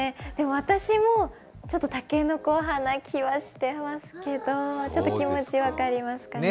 私もたけのこ派な気はしてますけどちょっと気持ち分かりますかね。